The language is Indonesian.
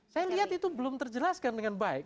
saya lihat itu belum terjelaskan dengan baik